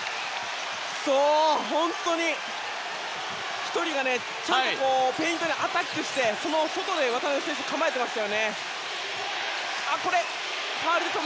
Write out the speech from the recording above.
本当に１人がフェイントでアタックしてその外で渡邊選手は構えていました。